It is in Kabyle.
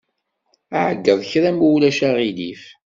Ɛeyyeḍ kra ma ulac aɣilif.